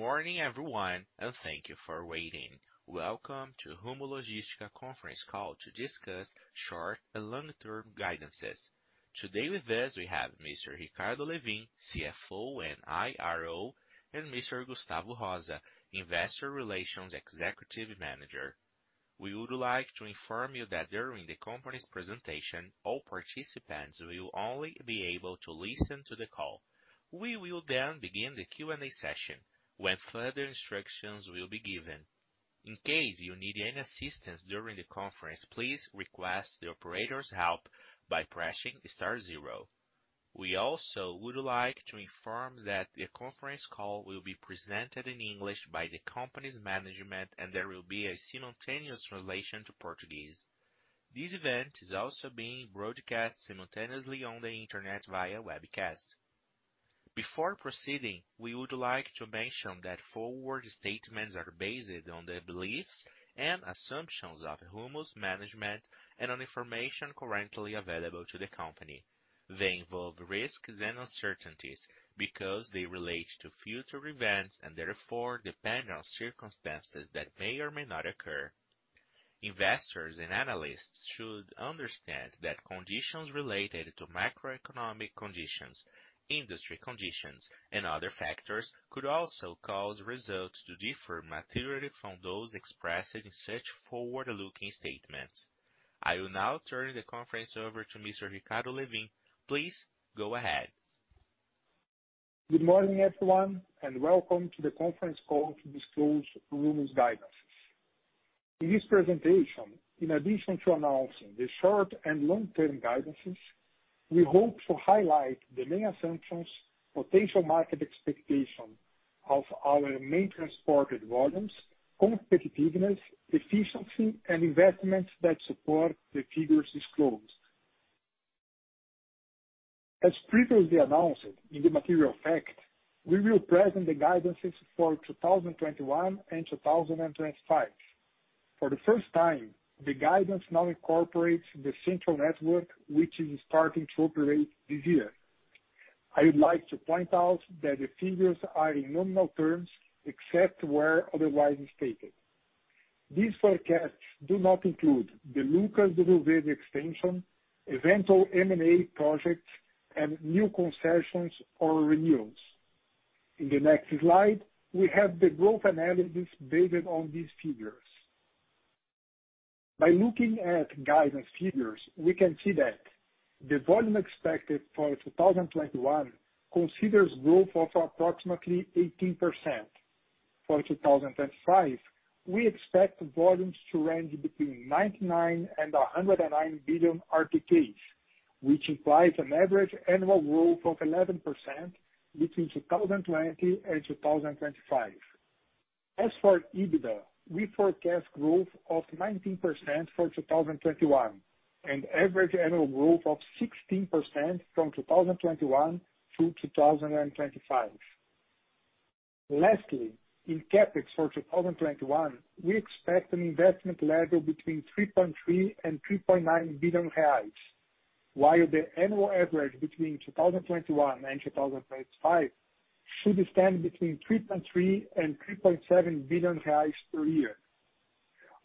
Good morning everyone, and thank you for waiting. Welcome to Rumo Logística conference call to discuss short and long-term guidances. Today with us, we have Mr. Ricardo Lewin, CFO and IRO, and Mr. Gustavo Rosa, Executive IR Manager. We would like to inform you that during the company's presentation, all participants will only be able to listen to the call. We will begin the Q&A session, when further instructions will be given. In case you need any assistance during the conference, please request the operator's help by pressing star zero. We also would like to inform that the conference call will be presented in English by the company's management, and there will be a simultaneous translation to Portuguese. This event is also being broadcast simultaneously on the internet via webcast. Before proceeding, we would like to mention that forward statements are based on the beliefs and assumptions of Rumo's management and on information currently available to the company. They involve risks and uncertainties because they relate to future events and therefore depend on circumstances that may or may not occur. Investors and analysts should understand that conditions related to macroeconomic conditions, industry conditions, and other factors could also cause results to differ materially from those expressed in such forward-looking statements. I will now turn the conference over to Mr. Ricardo Lewin. Please, go ahead. Good morning, everyone, and welcome to the conference call to disclose Rumo's guidances. In this presentation, in addition to announcing the short and long-term guidances, we hope to highlight the main assumptions, potential market expectation of our main transported volumes, competitiveness, efficiency, and investments that support the figures disclosed. As previously announced in the material fact, we will present the guidances for 2021 and 2025. For the first time, the guidance now incorporates the Malha Central, which is starting to operate this year. I would like to point out that the figures are in nominal terms, except where otherwise stated. These forecasts do not include the Lucas do Rio Verde extension, eventual M&A projects, and new concessions or renewals. In the next slide, we have the growth analysis based on these figures. By looking at guidance figures, we can see that the volume expected for 2021 considers growth of approximately 18%. For 2025, we expect volumes to range between 99 billion and 109 billion RTKs, which implies an average annual growth of 11% between 2020 and 2025. As for EBITDA, we forecast growth of 19% for 2021, and average annual growth of 16% from 2021 to 2025. Lastly, in CapEx for 2021, we expect an investment level between 3.3 billion and 3.9 billion reais, while the annual average between 2021 and 2025 should stand between 3.3 billion reais and 3.7 billion reais per year.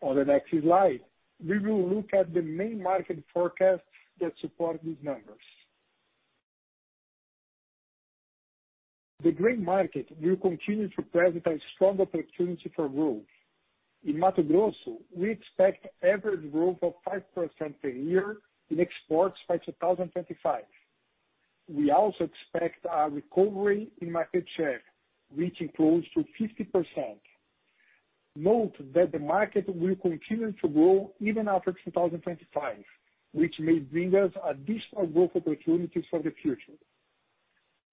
On the next slide, we will look at the main market forecasts that support these numbers. The grain market will continue to present a strong opportunity for growth. In Mato Grosso, we expect average growth of 5% per year in exports by 2025. We also expect a recovery in market share, reaching close to 50%. Note that the market will continue to grow even after 2025, which may bring us additional growth opportunities for the future.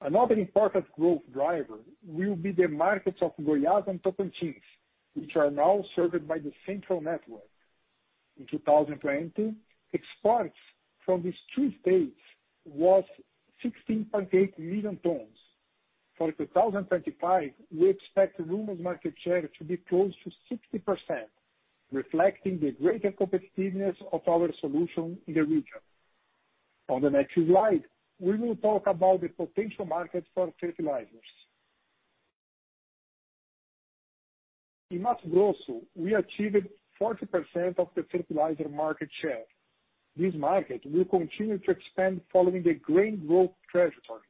Another important growth driver will be the markets of Goiás and Tocantins, which are now served by the Central Network. In 2020, exports from these two states was 16.8 million tons. For 2025, we expect Rumo's market share to be close to 60%, reflecting the greater competitiveness of our solution in the region. On the next slide, we will talk about the potential market for fertilizers. In Mato Grosso, we achieved 40% of the fertilizer market share. This market will continue to expand following the grain growth trajectory.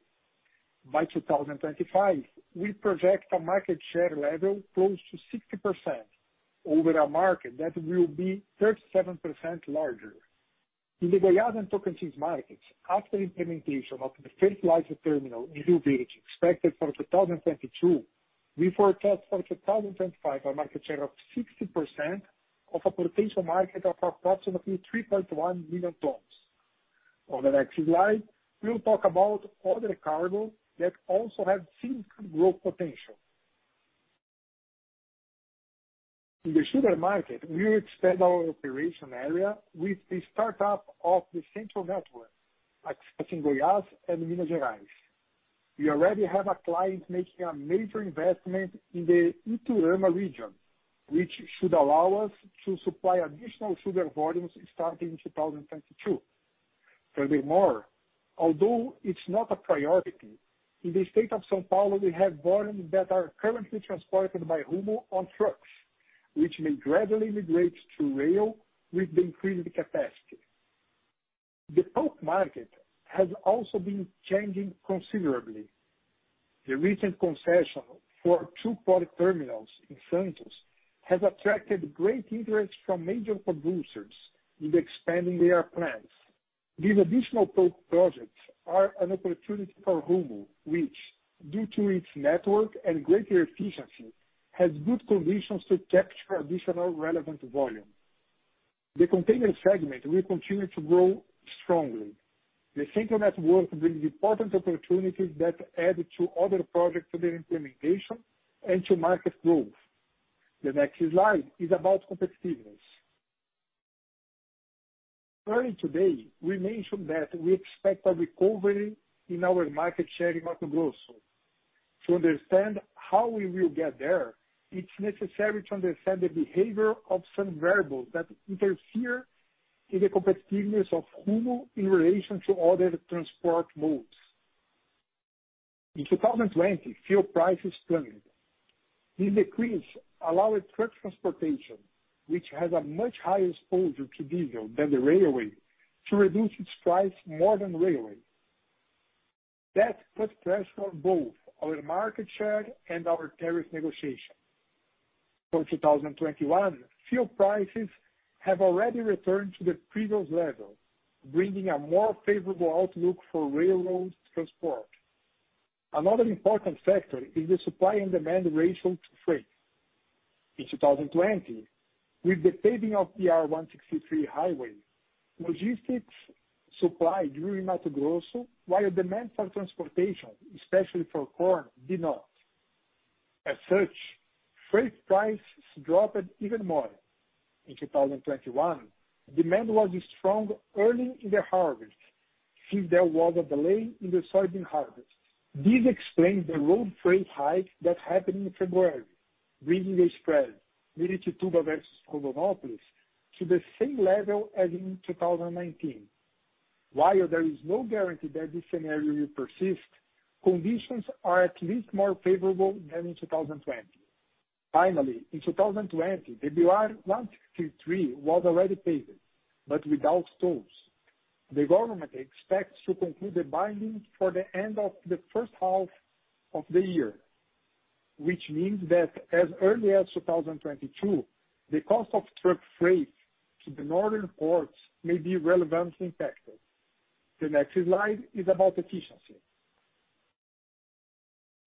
By 2025, we project a market share level close to 60%, over a market that will be 37% larger. In the Goiás and Tocantins markets, after implementation of the fertilizer terminal in Rio Verde, expected for 2022, we forecast for 2025 a market share of 60% of a potential market of approximately 3.1 million tons. On the next slide, we'll talk about other cargo that also have significant growth potential. In the sugar market, we will expand our operation area with the startup of the Central Network accessing Goiás and Minas Gerais. We already have a client making a major investment in the Iturama region, which should allow us to supply additional sugar volumes starting in 2022. Furthermore, although it's not a priority, in the state of São Paulo, we have volumes that are currently transported by Rumo on trucks, which may gradually migrate to rail with the increased capacity. The bulk market has also been changing considerably. The recent concession for two port terminals in Santos has attracted great interest from major producers in expanding their plants. These additional port projects are an opportunity for Rumo, which, due to its network and greater efficiency, has good conditions to capture additional relevant volume. The container segment will continue to grow strongly. The Central Network brings important opportunities that add to other projects under implementation and to market growth. The next slide is about competitiveness. Early today, we mentioned that we expect a recovery in our market share in Mato Grosso. To understand how we will get there, it's necessary to understand the behavior of some variables that interfere in the competitiveness of Rumo in relation to other transport modes. In 2020, fuel prices plunged. This decrease allowed truck transportation, which has a much higher exposure to diesel than the railway, to reduce its price more than railway. That put pressure on both our market share and our tariff negotiation. For 2021, fuel prices have already returned to the previous level, bringing a more favorable outlook for railroad transport. Another important factor is the supply and demand ratio to freight. In 2020, with the paving of the BR-163 highway, logistics supplied during Mato Grosso, while demand for transportation, especially for corn, did not. As such, freight prices dropped even more. In 2021, demand was strong early in the harvest since there was a delay in the soybean harvest. This explains the road freight hike that happened in February, bringing the spread, Miritituba versus Rondonópolis, to the same level as in 2019. While there is no guarantee that this scenario will persist, conditions are at least more favorable than in 2020. Finally, in 2020, the BR-163 was already paved, but without tolls. The government expects to conclude the binding for the end of the first half of the year, which means that as early as 2022, the cost of truck freight to the northern ports may be relevantly impacted. The next slide is about efficiency.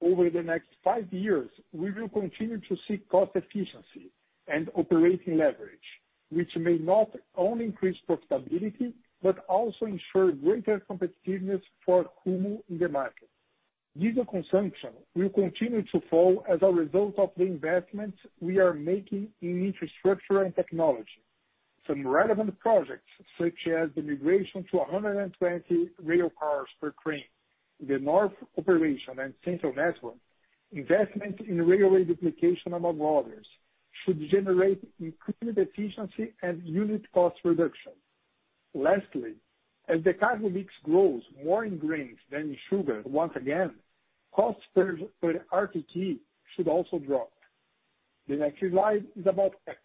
Over the next five years, we will continue to seek cost efficiency and operating leverage, which may not only increase profitability, but also ensure greater competitiveness for Rumo in the market. Diesel consumption will continue to fall as a result of the investments we are making in infrastructure and technology. Some relevant projects, such as the migration to 120 rail cars per train, the north operation and Central Network, investment in railway duplication, among others, should generate increased efficiency and unit cost reduction. Lastly, as the cargo mix grows more in grains than in sugar once again, cost per RTK should also drop. The next slide is about CapEx.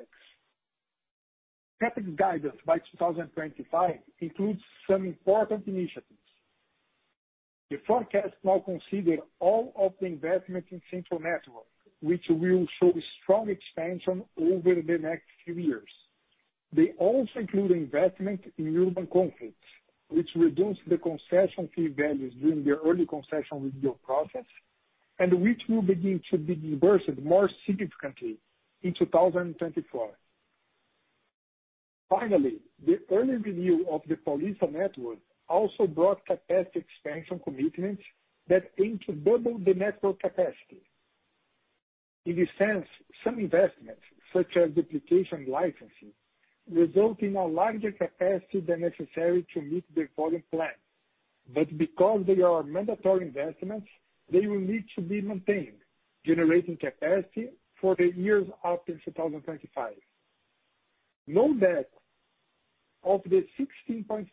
CapEx guidance by 2025 includes some important initiatives. The forecast now consider all of the investment in Central Network, which will show strong expansion over the next few years. They also include investment in urban conflicts, which reduce the concession fee values during the early concession review process, and which will begin to be disbursed more significantly in 2024. Finally, the early review of the Paulista Network also brought capacity expansion commitments that aim to double the network capacity. In this sense, some investments, such as duplication licensing, result in a larger capacity than necessary to meet the volume plan. Because they are mandatory investments, they will need to be maintained, generating capacity for the years after 2025. Know that of the 16.5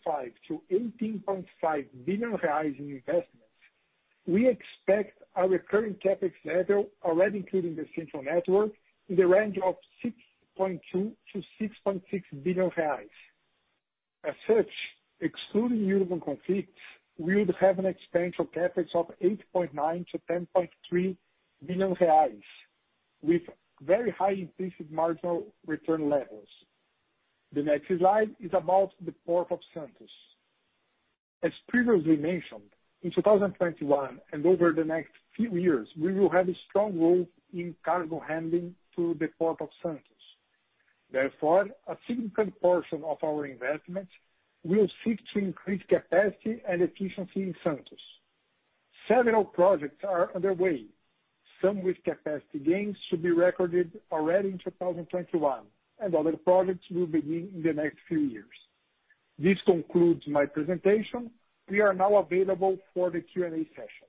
billion-18.5 billion reais in investments, we expect our recurring CapEx level already including the Central Network in the range of 6.2 billion-6.6 billion reais. Excluding urban conflicts, we would have an expansion CapEx of 8.9 billion-10.3 billion reais, with very high implicit marginal return levels. The next slide is about the Port of Santos. As previously mentioned, in 2021 and over the next few years, we will have a strong role in cargo handling to the Port of Santos. A significant portion of our investment will seek to increase capacity and efficiency in Santos. Several projects are underway. Some with capacity gains should be recorded already in 2021. Other projects will begin in the next few years. This concludes my presentation. We are now available for the Q&A session.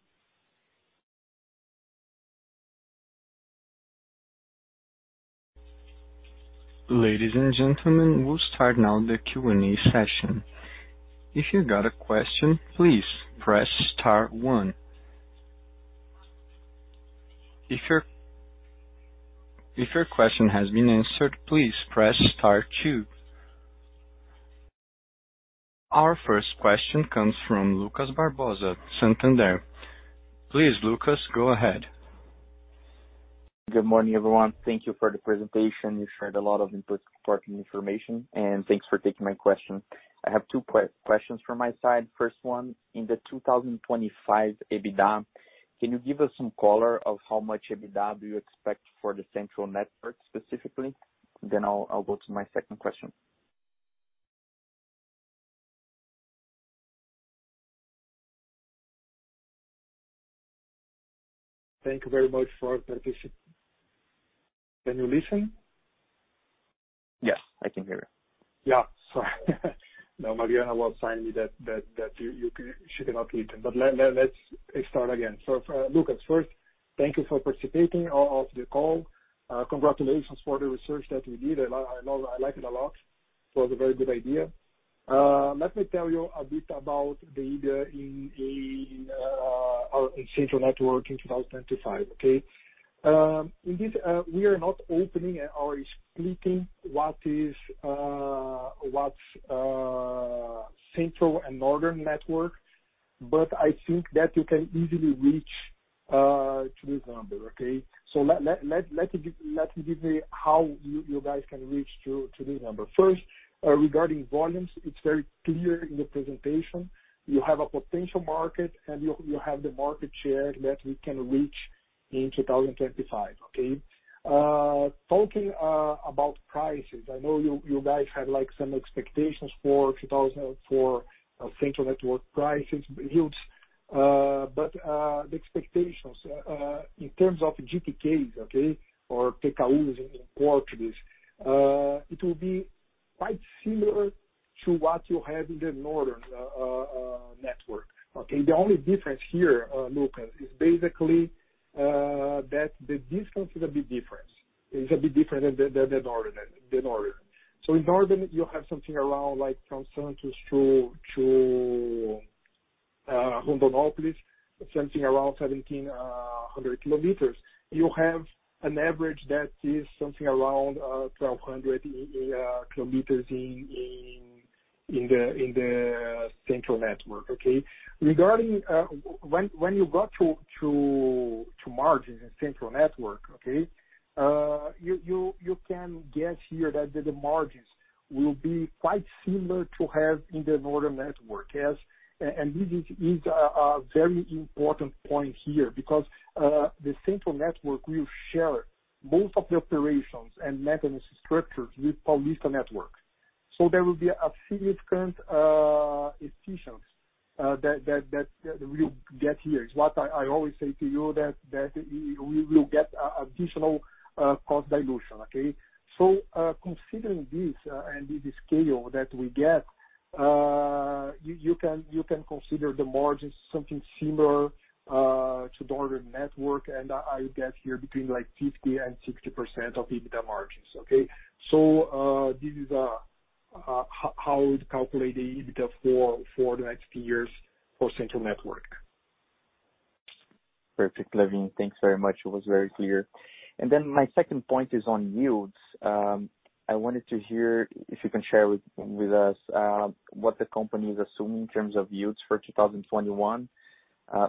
Ladies and gentlemen, we'll start now the Q&A session. If you got a question, please press star one. If your question has been answered, please press star two. Our first question comes from Lucas Barbosa at Santander. Please, Lucas, go ahead. Good morning, everyone. Thank you for the presentation. You shared a lot of important information, and thanks for taking my question. I have two questions from my side. First one, in the 2025 EBITDA, can you give us some color of how much EBITDA you expect for the Central Network specifically? I'll go to my second question. Thank you very much for participating. Can you listen? Yes, I can hear you. Yeah. Sorry. No, Mariana was telling me that she cannot hear. Let's start again. Lucas, first, thank you for participating on the call. Congratulations for the research that you did. I like it a lot. It was a very good idea. Let me tell you a bit about the EBITDA in our Central Network in 2025, okay? In this, we are not opening or explaining what is Central and Northern Network, I think that you can easily reach to this number. Okay? Let me give you how you guys can reach to this number. First, regarding volumes, it's very clear in the presentation, you have a potential market and you have the market share that we can reach in 2025, okay? Talking about prices, I know you guys had some expectations for Central Network prices, yields. The expectations, in terms of GTK, okay, or TKUs in Portuguese, it will be quite similar to what you have in the Northern Network, okay? The only difference here, Lucas, is basically, that the distance is a bit different. It's a bit different than Northern Network. In Northern Network, you have something around, from Santos to Rondonópolis, something around 1,700 km. You have an average that is something around 1,200 km in the Central Network, okay? Regarding when you got to margins in Central Network, okay, you can guess here that the margins will be quite similar to have in the Northern Network. This is a very important point here because the Central Network will share most of the operations and maintenance structures with Paulista Network. There will be a significant efficiency that we'll get here. Is what I always say to you, that we will get additional cost dilution, okay? Considering this and the scale that we get, you can consider the margins something similar to Northern Network. I get here between 50% and 60% of EBITDA margins, okay? This is how I would calculate the EBITDA for the next few years for Central Network. Perfect, Lewin. Thanks very much. It was very clear. My second point is on yields. I wanted to hear if you can share with us what the company is assuming in terms of yields for 2021.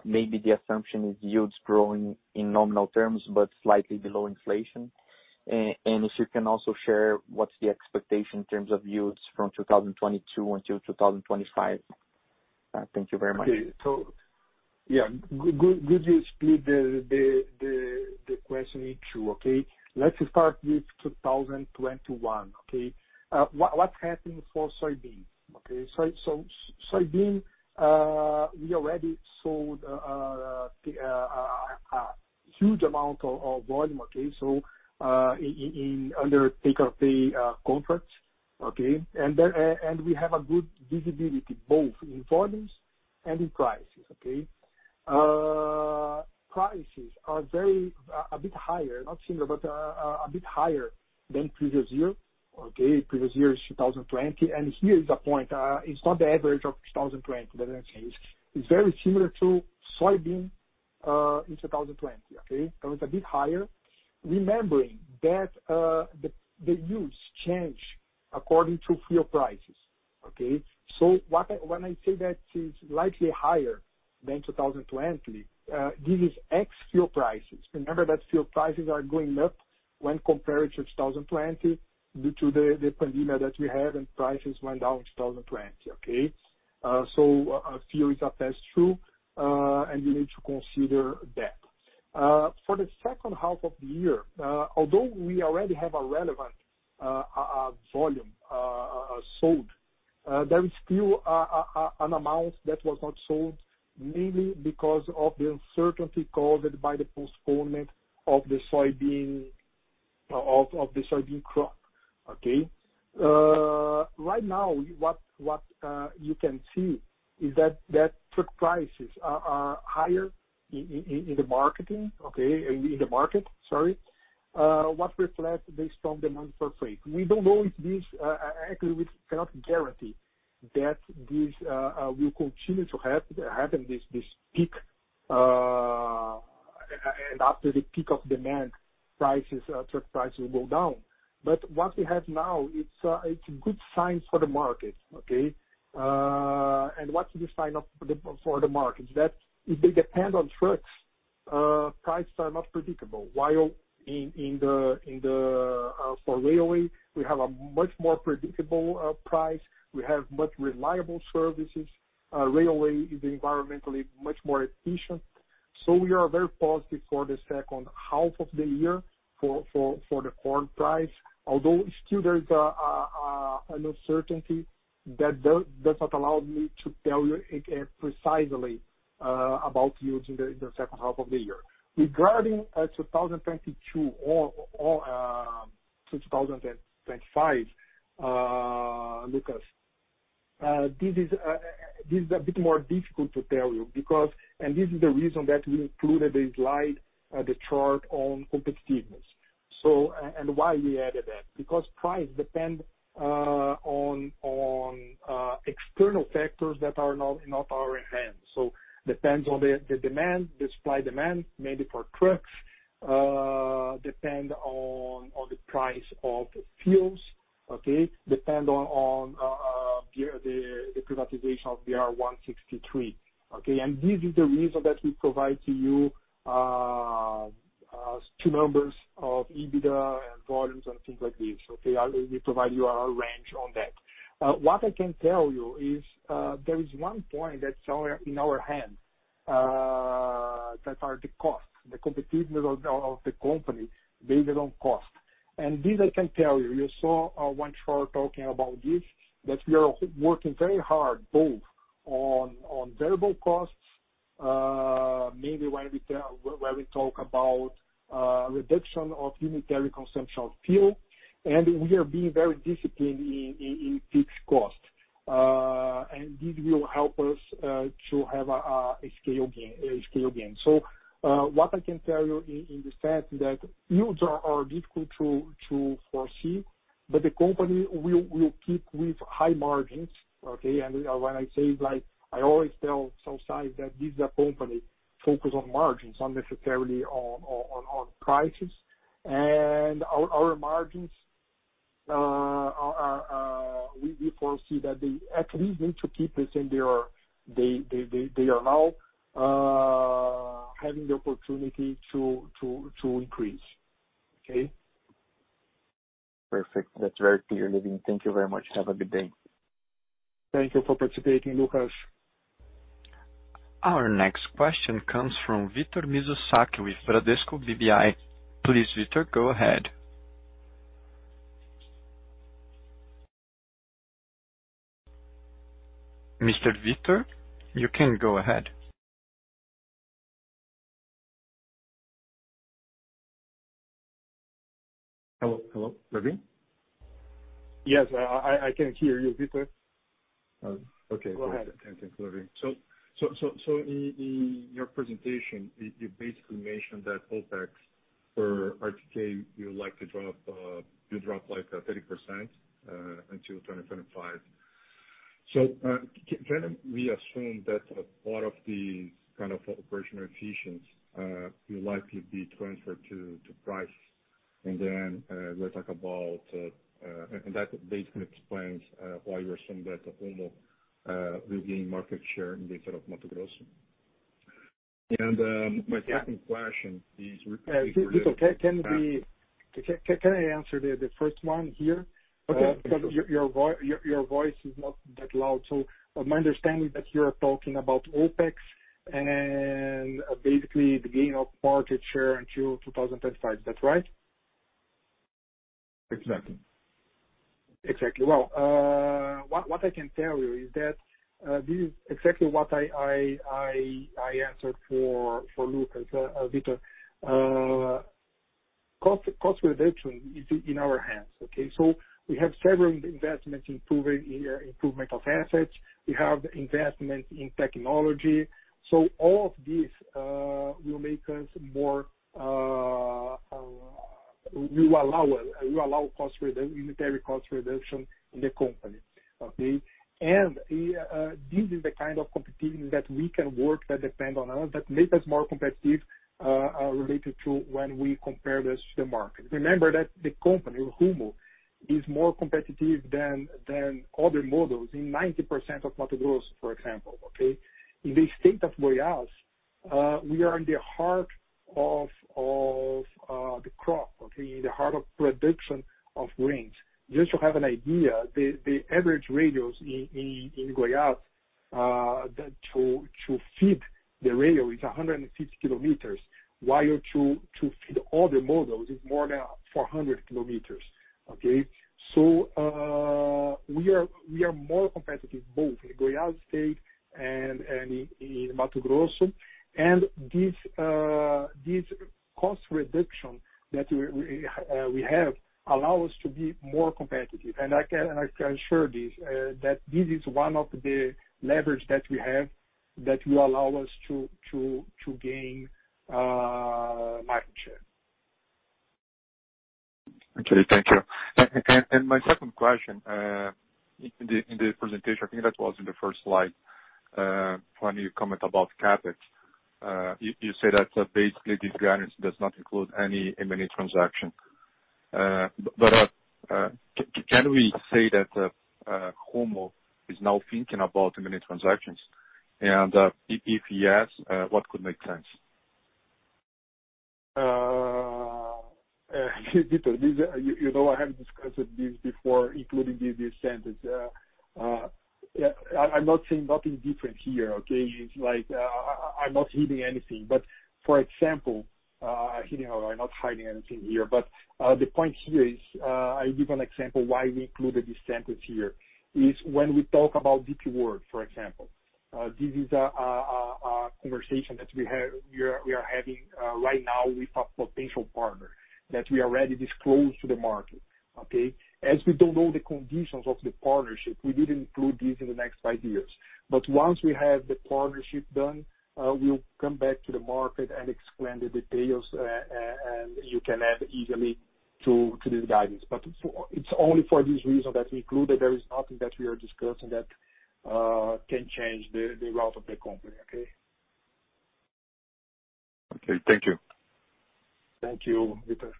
Maybe the assumption is yields growing in nominal terms, but slightly below inflation. If you can also share what's the expectation in terms of yields from 2022 until 2025. Thank you very much. Okay. Yeah. Good. You split the question in two, okay. Let's start with 2021, okay? What's happening for soybeans, okay? Soybean, we already sold a huge amount of volume under take-or-pay contracts. We have a good visibility both in volumes and in prices. Prices are a bit higher, not similar, but a bit higher than previous year. Previous year is 2020. That is the case. It's very similar to soybean in 2020. It's a bit higher. Remembering that the yields change according to fuel prices. When I say that it's slightly higher than 2020, this is ex fuel prices. Remember that fuel prices are going up when compared to 2020 due to the pandemic that we had, and prices went down in 2020. Fuel is a pass-through, and you need to consider that. For the second half of the year, although we already have a relevant volume sold, there is still an amount that was not sold, mainly because of the uncertainty caused by the postponement of the soybean crop, okay? Right now, what you can see is that truck prices are higher in the market, okay? In the market, sorry. What reflects based on demand for freight. Actually, we cannot guarantee that this will continue to happen, this peak. After the peak of demand, truck prices will go down. What we have now, it's a good sign for the market, okay? What's the sign up for the market? That if they depend on trucks, prices are not predictable. While for railway, we have a much more predictable price. We have much reliable services. Railway is environmentally much more efficient. We are very positive for the second half of the year for the corn price. Still there is an uncertainty that does not allow me to tell you precisely about yields in the second half of the year. Regarding 2022 or 2025, Lucas, this is a bit more difficult to tell you. This is the reason that we included the slide, the chart on competitiveness. Why we added that, because price depends on external factors that are not in our hands. Depends on the demand, the supply demand, maybe for trucks, depends on the price of fuels, okay? Depends on the privatization of BR-163, okay? This is the reason that we provide to you two numbers of EBITDA and volumes and things like this, okay? We provide you a range on that. What I can tell you is, there is one point that's in our hand, that are the costs, the competitiveness of the company based on cost. This I can tell you. You saw one chart talking about this, that we are working very hard both on variable costs, maybe where we talk about reduction of unitary consumption of fuel, and we are being very disciplined in fixed costs. This will help us to have a scale gain. What I can tell you in the sense that yields are difficult to foresee, but the company will keep with high margins, okay? When say, like I always tell societies that this is a company focused on margins, not necessarily on prices. Our margins, we foresee that they at least need to keep as they are now, having the opportunity to increase. Okay? Perfect. That's very clear, Lewin. Thank you very much. Have a good day. Thank you for participating, Lucas. Our next question comes from Victor Mizusaki with Bradesco BBI. Please, Victor, go ahead. Mr. Victor, you can go ahead. Hello, Lewin? Yes, I can hear you, Victor. Okay. Go ahead. Thanks, Lewin. In your presentation, you basically mentioned that OpEx for RTK will drop like 30% until 2025. Can we assume that a lot of these kind of operational efficiencies will likely be transferred to price? That basically explains why you assume that Rumo will gain market share in the state of Mato Grosso. My second question is. Victor, can I answer the first one here? Okay. Because your voice is not that loud. My understanding is that you're talking about OpEx and basically the gain of market share until 2025. Is that right? Exactly. Exactly. Well, what I can tell you is that, this is exactly what I answered for Lucas, Victor. Cost reduction is in our hands, okay? We have several investments in improvement of assets. We have investment in technology. All of this will allow unitary cost reduction in the company, okay? This is the kind of competitiveness that we can work, that depend on us, that make us more competitive, related to when we compare this to the market. Remember that the company, Rumo, is more competitive than other models in 90% of Mato Grosso, for example, okay? In the state of Goiás, we are in the heart of the crop, okay? In the heart of production of grains. Just to have an idea, the average radius in Goiás, to feed the rail is 150 km, while to feed other models is more than 400 km, okay? We are more competitive both in Goiás state and in Mato Grosso. This cost reduction that we have allow us to be more competitive. I can assure this, that this is one of the leverage that we have that will allow us to gain market share. Okay. Thank you. My second question, in the presentation, I think that was in the first slide, when you comment about CapEx, you say that basically this guidance does not include any M&A transaction. Can we say that Rumo is now thinking about M&A transactions? If yes, what could make sense? Victor, I have discussed this before, including this sentence. I'm not saying nothing different here, okay. I'm not hiding anything. For example, I'm not hiding anything here, but the point here is, I give an example why we included this sentence here, is when we talk about DP World, for example. This is a conversation that we are having right now with a potential partner that we already disclosed to the market. Okay. As we don't know the conditions of the partnership, we didn't include this in the next five years. Once we have the partnership done, we'll come back to the market and explain the details, and you can add easily to this guidance. It's only for this reason that we included. There is nothing that we are discussing that can change the route of the company, okay. Okay. Thank you. Thank you, Victor.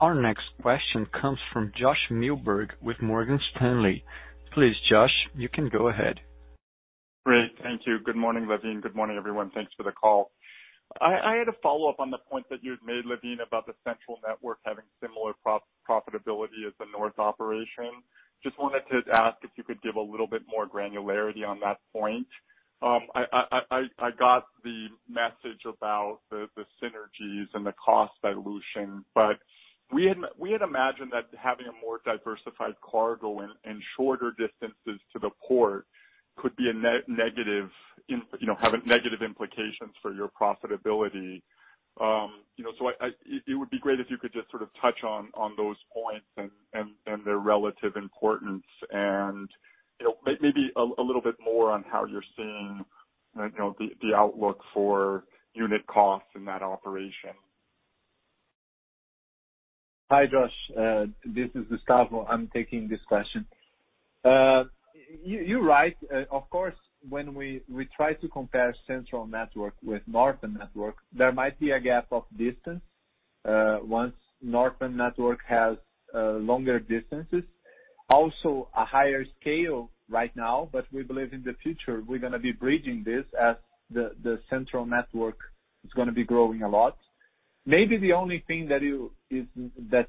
Our next question comes from Josh Milberg with Morgan Stanley. Please, Josh, you can go ahead. Great. Thank you. Good morning, Lewin. Good morning, everyone. Thanks for the call. I had a follow-up on the point that you had made, Lewin, about the Central Network having similar profitability as the North operation. Just wanted to ask if you could give a little bit more granularity on that point. I got the message about the synergies and the cost dilution. We had imagined that having a more diversified cargo and shorter distances to the port could have a negative implications for your profitability. It would be great if you could just sort of touch on those points and their relative importance and maybe a little bit more on how you're seeing the outlook for unit costs in that operation. Hi, Josh. This is Gustavo. I'm taking this question. You're right. Of course, when we try to compare Central Network with Northern Network, there might be a gap of distance. Once Northern Network has longer distances. Also, a higher scale right now, but we believe in the future, we're going to be bridging this as the Central Network is going to be growing a lot. Maybe the only thing that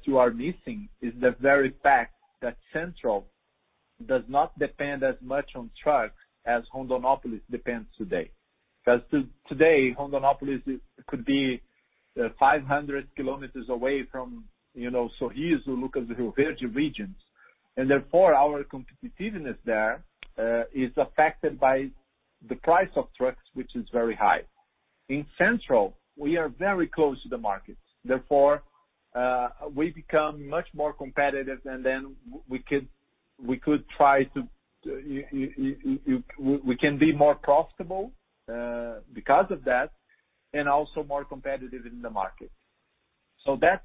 you are missing is the very fact that central does not depend as much on trucks as Rondonópolis depends today. Because today, Rondonópolis could be 500 km away from Sorriso, Lucas do Rio Verde regions. Therefore, our competitiveness there, is affected by the price of trucks, which is very high. In Central, we are very close to the markets, therefore, we become much more competitive, and then we can be more profitable, because of that, and also more competitive in the market. That's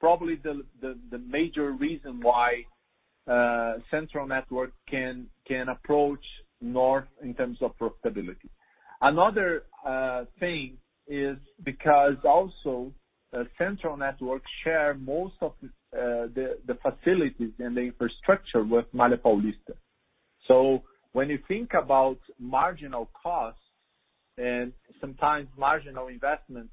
probably the major reason why Central Network can approach North in terms of profitability. Another thing is because also, Central Network share most of the facilities and the infrastructure with Malha Paulista. When you think about marginal costs and sometimes marginal investments,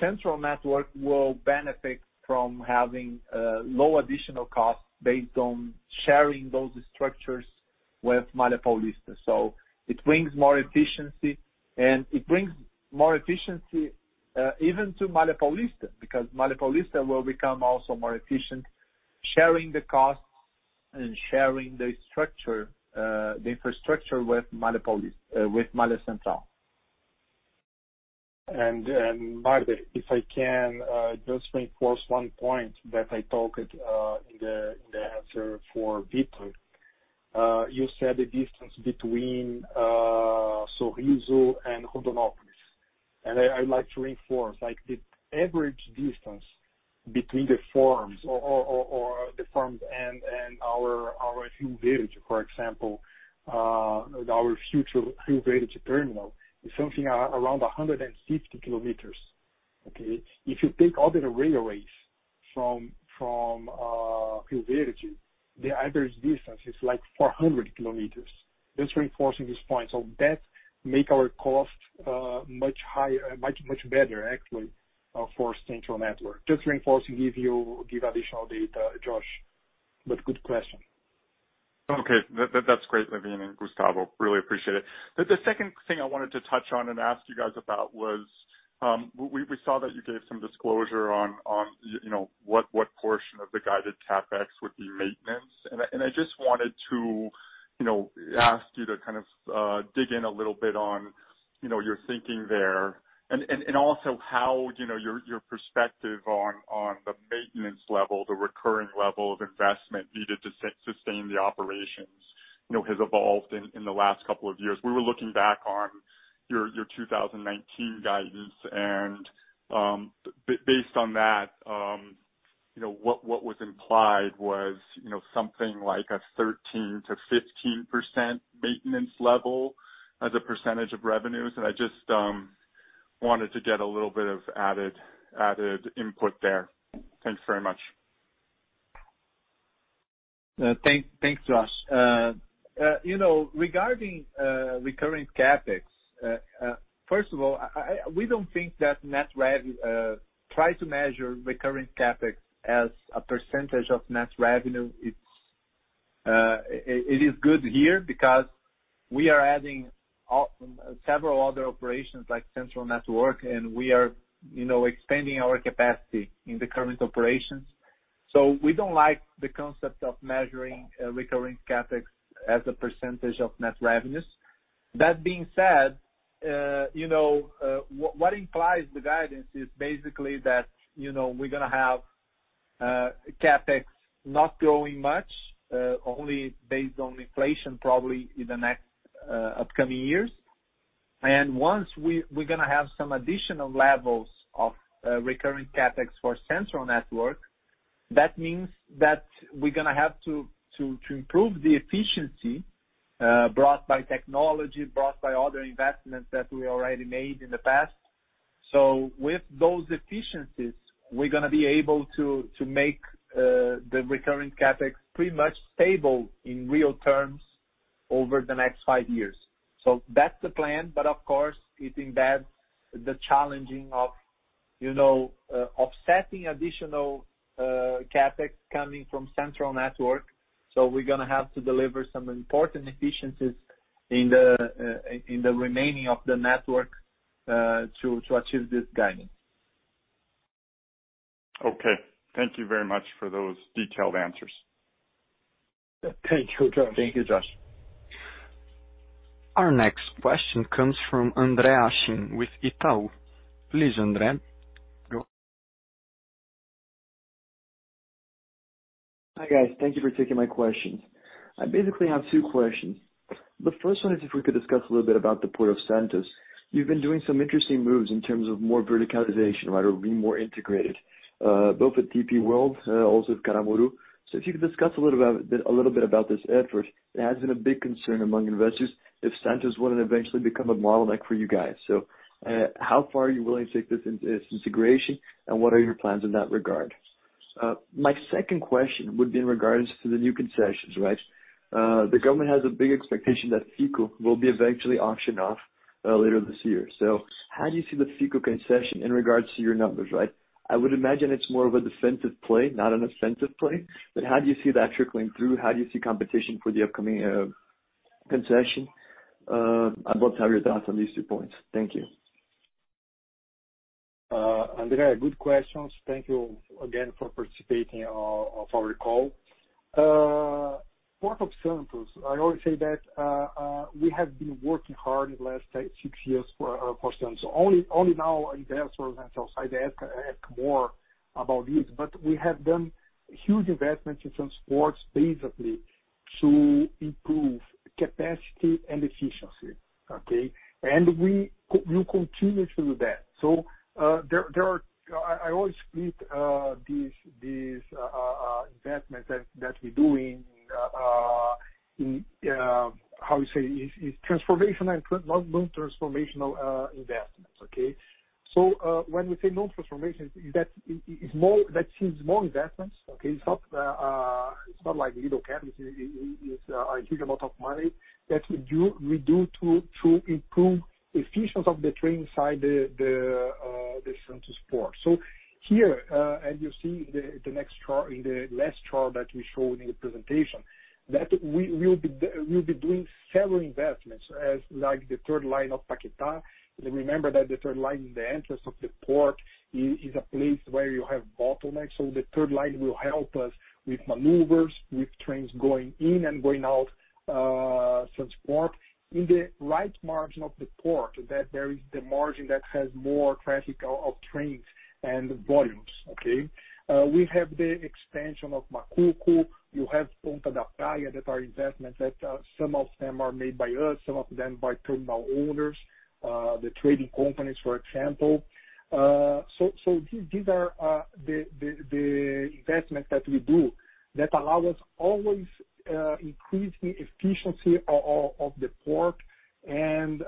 Central Network will benefit from having low additional costs based on sharing those structures with Malha Paulista. It brings more efficiency, and it brings more efficiency even to Malha Paulista, because Malha Paulista will become also more efficient sharing the costs and sharing the infrastructure with Malha Central. Milberg, if I can just reinforce one point that I talked in the answer for Victor. You said the distance between Sorriso and Rondonópolis, and I'd like to reinforce, the average distance between the farms or the farms and our Rio Verde, for example, our future Rio Verde terminal, is something around 150 km. Okay. If you take all the railways from Rio Verde, the average distance is like 400 km. Just reinforcing this point. That make our cost much better actually, for Central Network. Just reinforcing, give additional data, Josh, but good question. Okay. That's great, Lewin and Gustavo, really appreciate it. The second thing I wanted to touch on and ask you guys about was, we saw that you gave some disclosure on what portion of the guided CapEx would be maintenance. I just wanted to ask you to kind of dig in a little bit your thinking there. Also how your perspective on the maintenance level, the recurring level of investment needed to sustain the operations, has evolved in the last couple of years. We were looking back on your 2019 guidance, and based on that, what was implied was something like a 13%-15% maintenance level as a percentage of revenues. I just wanted to get a little bit of added input there. Thanks very much. Thanks, Josh. Regarding recurring CapEx, first of all, we don't think that try to measure recurring CapEx as a percentage of net revenue. It is good here because we are adding several other operations, like Central Network, and we are expanding our capacity in the current operations. We don't like the concept of measuring recurring CapEx as a percentage of net revenues. That being said, what implies the guidance is basically that we're going to have CapEx not growing much, only based on inflation, probably in the next upcoming years. Once we're going to have some additional levels of recurring CapEx forCentral Network, that means that we're going to have to improve the efficiency brought by technology, brought by other investments that we already made in the past. With those efficiencies, we're going to be able to make the recurring CapEx pretty much stable in real terms over the next five years. That's the plan, but of course, it embeds the challenging of offsetting additional CapEx coming from Central Network. We're going to have to deliver some important efficiencies in the remaining of the network, to achieve this guidance. Okay. Thank you very much for those detailed answers. Thank you, Josh. Thank you, Josh. Our next question comes from André Hachem with Itaú. Please, André, go. Hi, guys. Thank you for taking my questions. I basically have two questions. The first one is if we could discuss a little bit about the Port of Santos. You've been doing some interesting moves in terms of more verticalization, right, or being more integrated, both with DP World, also with Caramuru. If you could discuss a little bit about this effort. It has been a big concern among investors if Santos would eventually become a model like for you guys. How far are you willing to take this integration, and what are your plans in that regard? My second question would be in regards to the new concessions, right? The government has a big expectation that FICO will be eventually auctioned off later this year. How do you see the FICO concession in regards to your numbers, right? I would imagine it's more of a defensive play, not an offensive play, but how do you see that trickling through? How do you see competition for the upcoming concession? I'd love to have your thoughts on these two points. Thank you. André, good questions. Thank you again for participating on our call. Port of Santos, I always say that we have been working hard in the last six years for Santos. Only now, investors and sell-side ask more about this, but we have done huge investments in transport, basically to improve capacity and efficiency, okay? We will continue to do that. I always split these investments that we do in, how you say, transformational and non-transformational investments, okay? When we say non-transformational, that seems more investments, okay? It's not like little CapEx. It's a huge amount of money that we do to improve efficiency of the train side, the Santos Port. Here, as you see in the last chart that we showed in the presentation, that we will be doing several investments, as like the third line of Paquetá. Remember that the third line in the entrance of the port is a place where you have bottlenecks, so the third line will help us with maneuvers, with trains going in and going out Santos port. In the right margin of the port, there is the margin that has more traffic of trains and volumes, okay? We have the expansion of Macuco. You have Ponta da Praia, that are investments, that some of them are made by us, some of them by terminal owners, the trading companies, for example. These are the investments that we do that allow us always increasing efficiency of the port and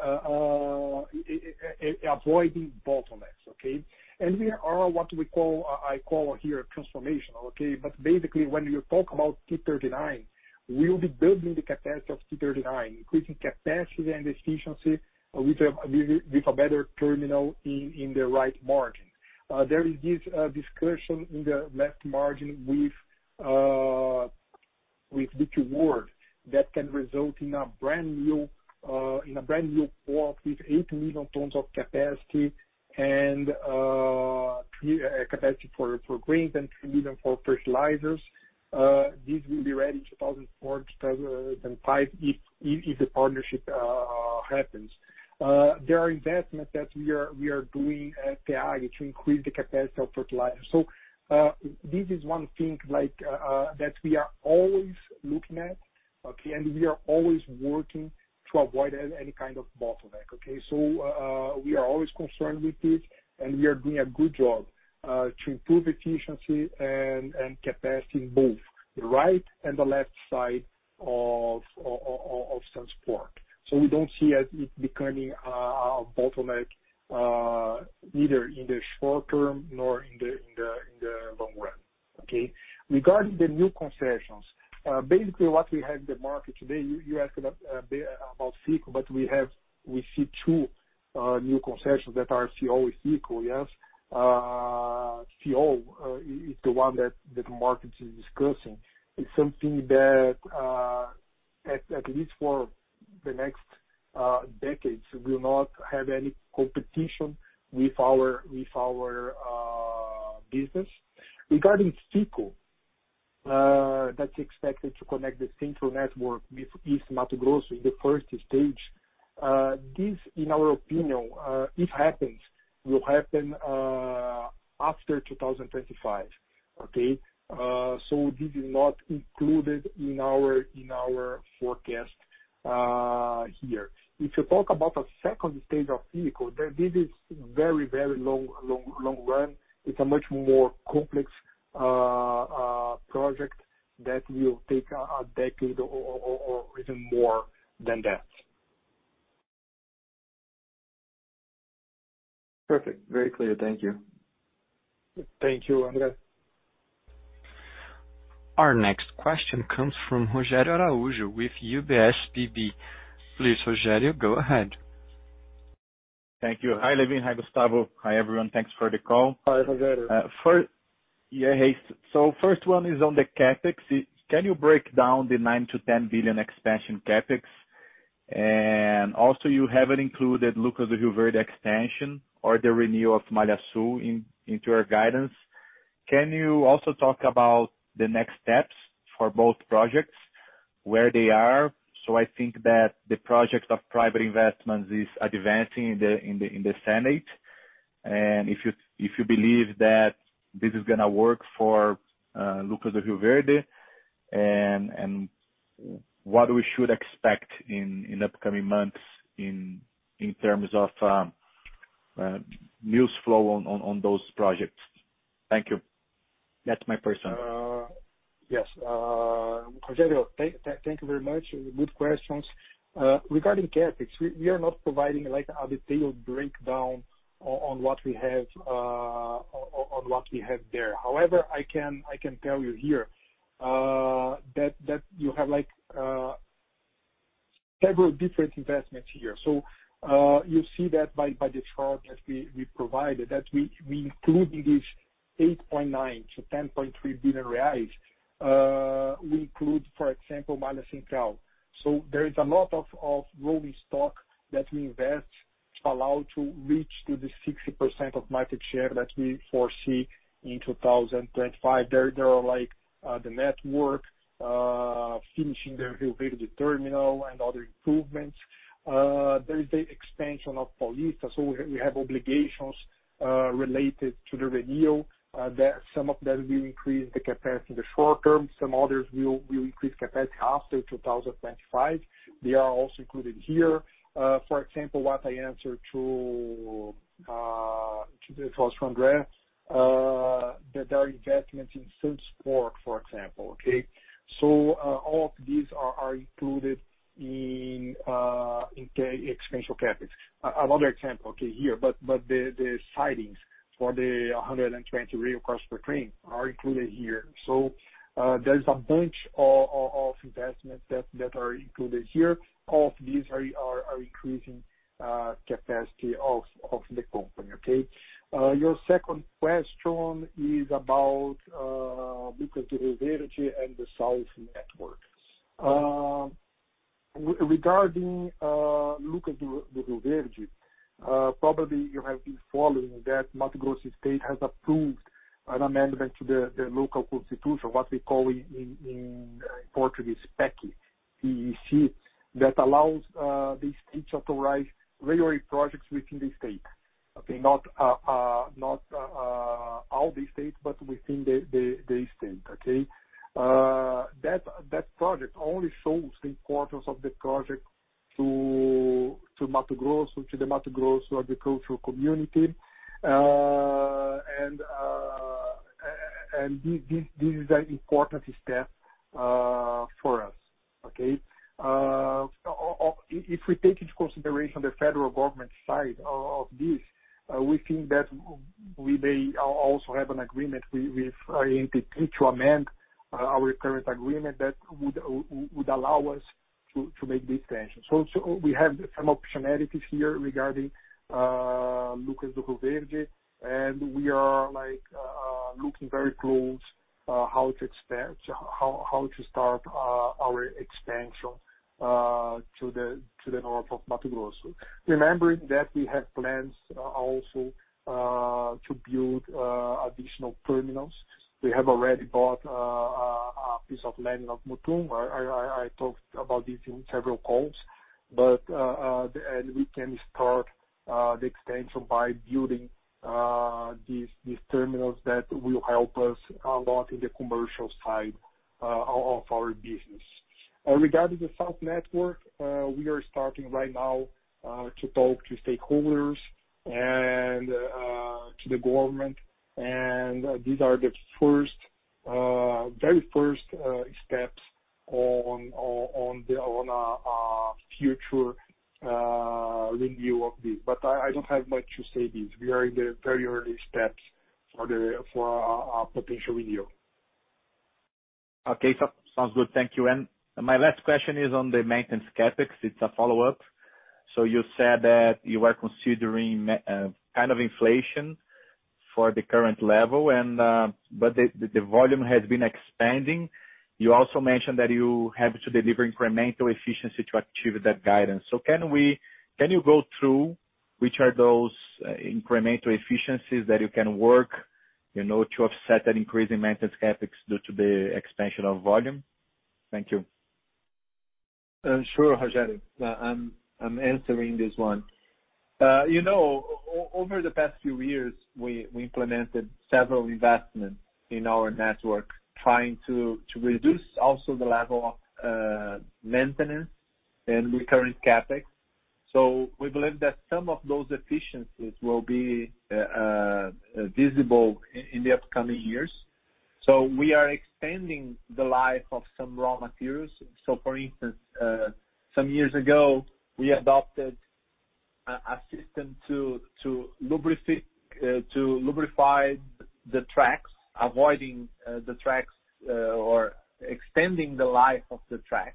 avoiding bottlenecks, okay? There are what I call here transformational, okay? Basically, when you talk about T-39, we'll be building the capacity of T-39, increasing capacity and efficiency with a better terminal in the right margin. There is this discussion in the left margin with Vicunha Ward that can result in a brand-new port with 8 million tons of capacity, and capacity for grains and 3 million for fertilizers. This will be ready in 2024, 2025, if the partnership happens. There are investments that we are doing at Piauí to increase the capacity of fertilizer. This is one thing that we are always looking at, okay. We are always working to avoid any kind of bottleneck. We are always concerned with this, and we are doing a good job to improve efficiency and capacity in both the right and the left side of transport. We don't see it becoming a bottleneck either in the short term nor in the long run. Okay. Regarding the new concessions, basically what we have in the market today, you asked about FICO, but we see two new concessions that are CO, FICO. Yes. CO is the one that the market is discussing. It's something that, at least for the next decades, will not have any competition with our business. Regarding FICO, that's expected to connect the Central Network with East Mato Grosso in the first stage. This, in our opinion, if happens, will happen after 2025. Okay. This is not included in our forecast here. If you talk about the second stage of FICO, then this is very long run. It's a much more complex project that will take a decade or even more than that. Perfect. Very clear. Thank you. Thank you, André. Our next question comes from Rogério Araujo with UBS BB. Please, Rogério, go ahead. Thank you. Hi, Lewin. Hi, Gustavo. Hi, everyone. Thanks for the call. Hi, Rogério. First one is on the CapEx. Can you break down the 9 billion-10 billion expansion CapEx? You haven't included Lucas do Rio Verde extension or the renewal of Malha Sul into your guidance. Can you also talk about the next steps for both projects, where they are? I think that the project of private investments is advancing in the Senate, and if you believe that this is going to work for Lucas do Rio Verde, and what we should expect in upcoming months in terms of news flow on those projects. Thank you. That's my first one. Yes. Rogério, thank you very much. Good questions. Regarding CapEx, we are not providing a detailed breakdown on what we have there. I can tell you here that you have several different investments here. You see that by the chart that we provided, that we include in this 8.9 billion to 10.3 billion reais, we include, for example, Central Network. There is a lot of rolling stock that we invest, allow to reach to the 60% of market share that we foresee in 2025. There are the network, finishing the Rio Verde terminal, and other improvements. There is the expansion of Paulista. We have obligations related to the renewal. Some of that will increase the capacity in the short term. Some others will increase capacity after 2025. They are also included here. For example, what I answered to André, that there are investments in Santos Port, for example. Okay? All of these are included in the expansion CapEx. Another example here, the sidings for the 120 rail cars per train are included here. There's a bunch of investments that are included here. All of these are increasing capacity of the company. Okay? Your second question is about Lucas do Rio Verde and the south network. Regarding Lucas do Rio Verde, probably you have been following that Mato Grosso State has approved an amendment to the local constitution, what we call in Portuguese, PEC, P-E-C, that allows the state to authorize railway projects within the state. Okay? Not all the states, within the state. Okay? That project only shows three-quarters of the project to Mato Grosso, to the Mato Grosso agricultural community. This is an important step for us. Okay? If we take into consideration the federal government side of this, we think that we may also have an agreement with ANTT to amend our current agreement that would allow us to make this expansion. We have some optionalities here regarding Lucas do Rio Verde, and we are looking very close how to start our expansion to the north of Mato Grosso. Remembering that we have plans also to build additional terminals. We have already bought a piece of land of Mutum. I talked about this in several calls. We can start the expansion by building these terminals that will help us a lot in the commercial side of our business. Regarding the South Network, we are starting right now to talk to stakeholders and to the government, and these are the very first steps on a future review of this. I don't have much to say this. We are in the very early steps for a potential review. Okay. Sounds good. Thank you. My last question is on the maintenance CapEx. It's a follow-up. You said that you are considering kind of inflation for the current level, but the volume has been expanding. You also mentioned that you have to deliver incremental efficiency to achieve that guidance. Can you go through which are those incremental efficiencies that you can work to offset that increase in maintenance CapEx due to the expansion of volume? Thank you. Sure, Rogério. I'm answering this one. Over the past few years, we implemented several investments in our network, trying to reduce also the level of maintenance and recurring CapEx. We believe that some of those efficiencies will be visible in the upcoming years. We are extending the life of some raw materials. For instance, some years ago, we adopted a system to lubricate the tracks, avoiding the tracks or extending the life of the tracks.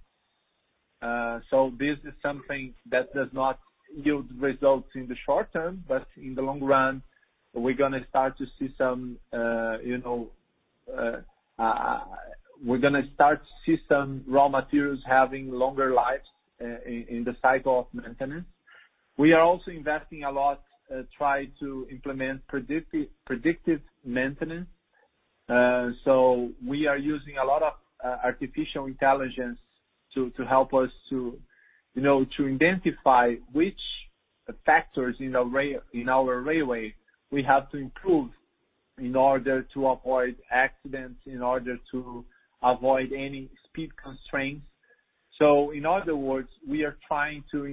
This is something that does not yield results in the short-term, but in the long run, we're going to start to see some raw materials having longer lives in the cycle of maintenance. We are also investing a lot, try to implement predictive maintenance. We are using a lot of artificial intelligence to help us to identify which factors in our railway we have to improve in order to avoid accidents, in order to avoid any speed constraints. In other words, we are trying to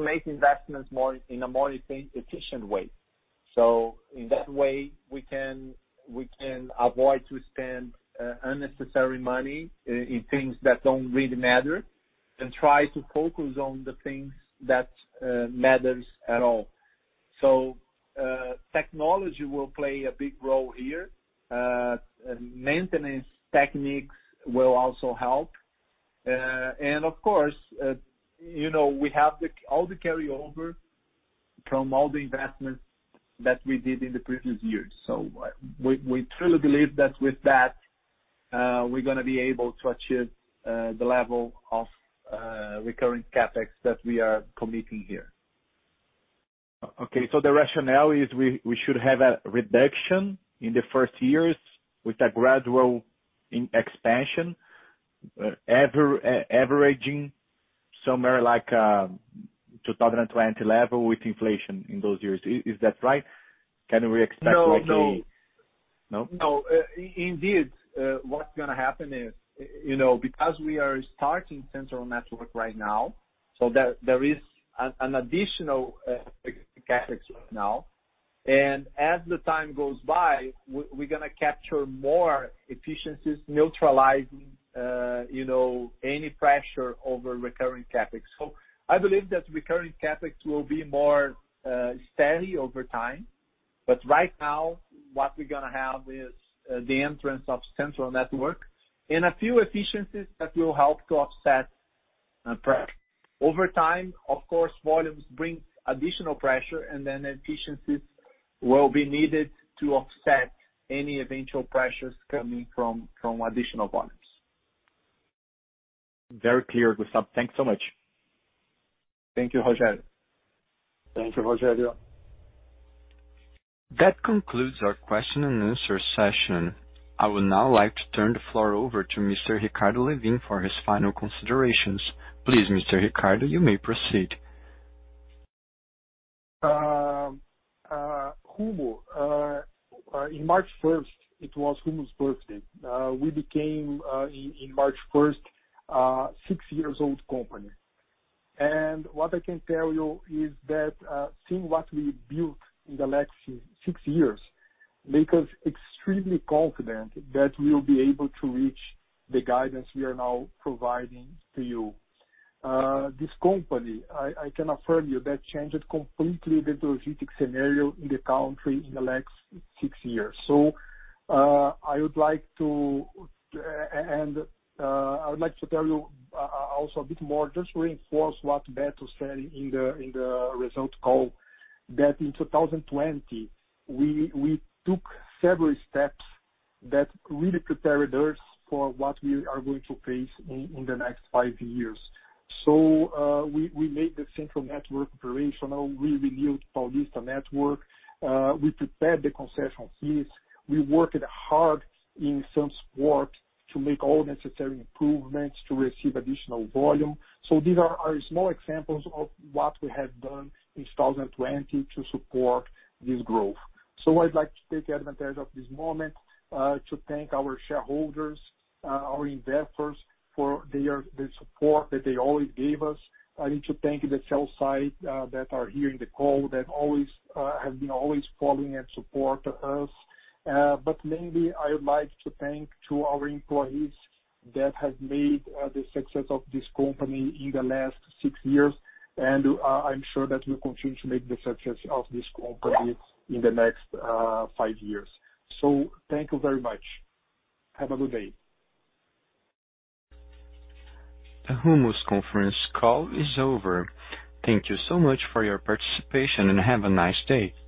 make investments in a more efficient way. In that way, we can avoid to spend unnecessary money in things that don't really matter and try to focus on the things that matters at all. Technology will play a big role here. Maintenance techniques will also help. Of course, we have all the carryover from all the investments that we did in the previous years. We truly believe that with that, we're going to be able to achieve the level of recurring CapEx that we are committing here. Okay. The rationale is we should have a reduction in the first years with a gradual expansion, averaging somewhere like 2020 level with inflation in those years. Is that right? No. No? No. What's going to happen is, because we are starting Central Network right now, there is an additional CapEx right now. As the time goes by, we're going to capture more efficiencies, neutralizing any pressure over recurring CapEx. I believe that recurring CapEx will be more steady over time. Right now, what we're going to have is the entrance of Central Network and a few efficiencies that will help to offset pressure. Over time, of course, volumes bring additional pressure, then efficiencies will be needed to offset any eventual pressures coming from additional volumes. Very clear, Gustavo. Thanks so much. Thank you, Rogério. That concludes our question and answer session. I would now like to turn the floor over to Mr. Ricardo Lewin for his final considerations. Please, Mr. Ricardo, you may proceed. Rumo, on March 1st, it was Rumo's birthday. We became, in March 1st, a six-years-old company. What I can tell you is that, seeing what we built in the last six years, make us extremely confident that we'll be able to reach the guidance we are now providing to you. This company, I can affirm you, that changed completely the logistic scenario in the country in the last six years. I would like to tell you also a bit more, just to reinforce what Beto said in the result call, that in 2020, we took several steps that really prepared us for what we are going to face in the next five years. We made the Central Network operational, we renewed Paulista Network, we prepared the concessional fees, we worked hard in Port of Santos to make all necessary improvements to receive additional volume. These are small examples of what we have done in 2020 to support this growth. I'd like to take advantage of this moment, to thank our shareholders, our investors for the support that they always gave us. I need to thank the sell side that are hearing the call, that have been always calling and support us. Mainly, I would like to thank to our employees that have made the success of this company in the last six years. I'm sure that we'll continue to make the success of this company in the next five years. Thank you very much. Have a good day. Rumo's conference call is over. Thank you so much for your participation, and have a nice day.